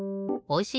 お！